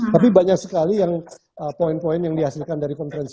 tapi banyak sekali yang poin poin yang dihasilkan dari konferensi